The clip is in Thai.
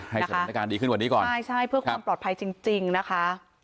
สถานการณ์ดีขึ้นกว่านี้ก่อนใช่ใช่เพื่อความปลอดภัยจริงจริงนะคะ